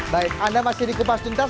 baik anda masih di kupas tuntas